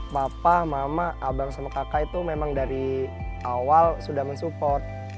papa mama abang sama kakak itu memang dari awal sudah mensupport